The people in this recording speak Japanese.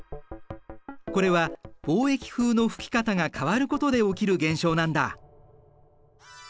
これは貿易風の吹き方が変わることで起きる現象なんだ。